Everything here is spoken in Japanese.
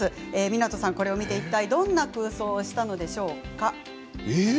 湊さんはこれを見ていったいどんな空想をしたのでしょうか。